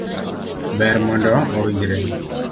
Ber mondo wa winjre.